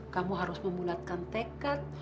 kamu harus memulatkan tekad